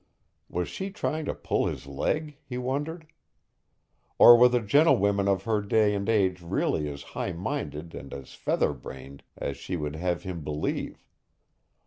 Was she trying to pull his leg? he wondered. Or were the gentlewomen of her day and age really as high minded and as feathered brained as she would have him believe?